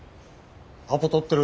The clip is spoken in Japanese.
アポ取ってる？